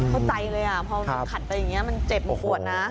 เข้าใจเลยพอมันขัดไปอย่างนี้มันเจ็บมันปวดนะ